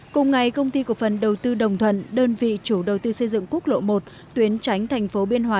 cùng ngày công ty cộng phần đầu tư đồng thuận đơn vị chủ đầu tư xây dựng quốc lộ một tuyến tránh tp biên hòa